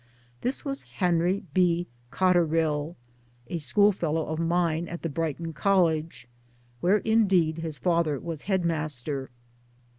This was Henry B. Cotterill a schoolfellow of mine at the Brighton .College where indeed his father was headmaster.